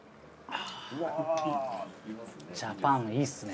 ジャパンいいですね。